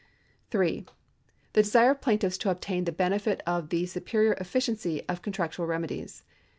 (."{) The tlesire of jdaintitfs to obtain the benefit of the superior efficiency of contractual remedies.